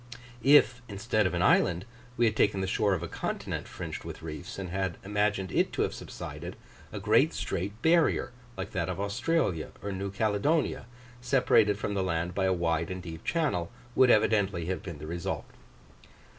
If, instead of an island, we had taken the shore of a continent fringed with reefs, and had imagined it to have subsided, a great straight barrier, like that of Australia or New Caledonia, separated from the land by a wide and deep channel, would evidently have been the result.